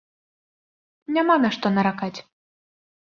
Няма на што наракаць.